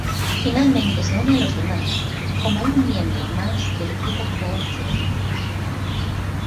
Finalmente se une a los demás como un miembro más del equipo Core-Tech.